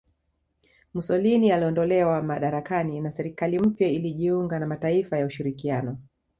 Mussolini aliondolewa madarakani na serikali mpya ilijiunga na mataifa ya ushirikiano